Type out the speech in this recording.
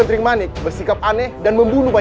terima kasih pak odaikan